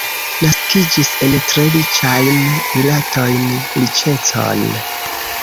Naskiĝis en tre riĉajn rilatojn, riĉecon.